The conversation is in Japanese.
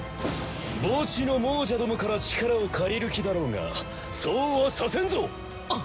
墓地の亡者どもから力を借りる気だろうがそうはさせんぞ！